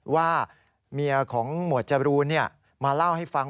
ว่าเมียของหมวดจรูนมาเล่าให้ฟัง